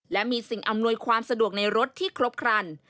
และมีสิ่งอำนวยความสะดวกในรถที่ครบครัน